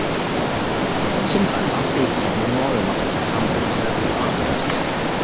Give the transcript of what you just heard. Sometimes, antiques, or the memorial matters of a family are preserved as art-pieces.